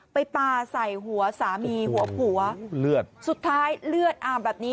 ไปปลาใส่หัวสามีหัวผัวสุดท้ายเลือดอ่ามแบบนี้